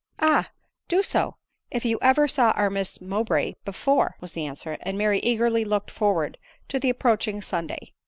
" Ah ! do so, if you ever saw our Miss Mowbray be fore," was the answer; and Mary eagerly looked for ward to the approaching Sunday.